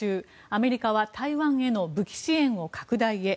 アメリカは台湾への武器支援を拡大へ。